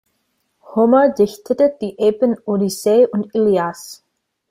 Homer dichtete die Epen Odyssee und Ilias.